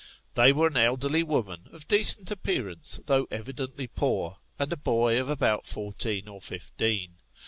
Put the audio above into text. They were an elderly woman, of decent appearance, though evidently poor, and a boy of fourteen or fifteen.